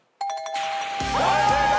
はい正解！